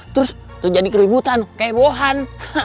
terus terjadi keributan kayak bohan